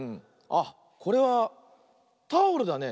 あっこれはタオルだね。